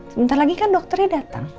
sebentar lagi kan dokternya datang